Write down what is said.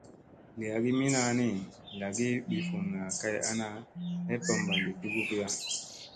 Li agi minaa ni, lagi ɓivunna kay ana heppa mbaa li dugugiya.